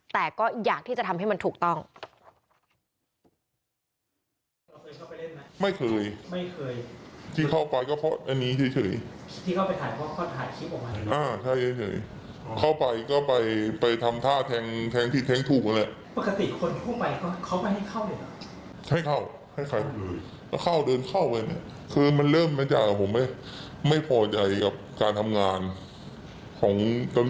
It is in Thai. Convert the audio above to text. แต่ก็อยากที่จะทำให้มันถูกต้อง